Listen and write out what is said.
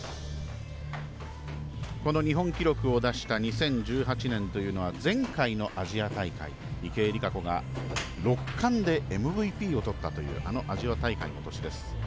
この日本記録を出した２０１８年というのは前回のアジア大会池江璃花子が６冠でＭＶＰを取ったというアジア大会の年です。